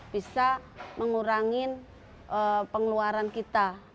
bisa mengurangi pengeluaran kita